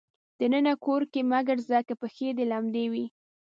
د ننه کور کې مه ګرځه که پښې دې لمدې وي.